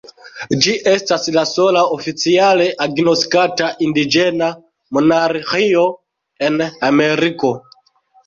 Ĝi estas la sola oficiale agnoskata indiĝena monarĥio en Ameriko.